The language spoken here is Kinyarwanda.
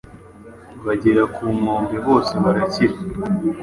bagera ku nkombe, bose barakira.”